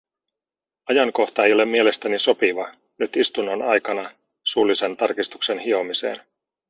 Ajankohta ei ole mielestäni sopiva, nyt istunnon aikana, suullisen tarkistuksen hiomiseen.